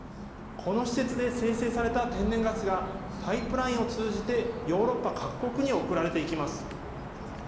この施設で精製された天然ガスがパイプラインを通じてヨーロッパ各国に送られていきます。